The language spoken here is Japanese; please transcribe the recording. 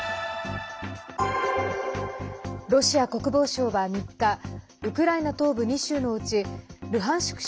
ロシア国防省は３日ウクライナ東部２州のうちルハンシク